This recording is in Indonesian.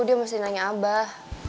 dia mesti nanya abah